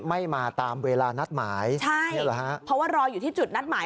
ไม่มาตามเวลานัดหมายใช่เพราะว่ารออยู่ที่จุดนัดหมาย